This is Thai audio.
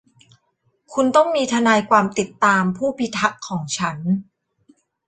คุณต้องมีทนายความติดตามผู้พิทักษ์ของฉัน